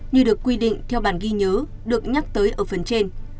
như được quy định theo bản ghi nhớ được nhắc tới ở phần trên